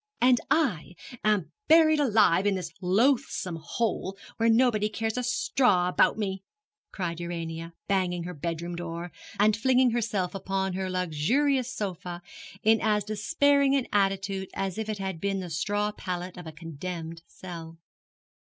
'And I am buried alive in this loathsome hole, where nobody cares a straw about me,' cried Urania, banging her bedroom door, and flinging herself upon her luxurious sofa in as despairing an attitude as if it had been the straw pallet of a condemned cell.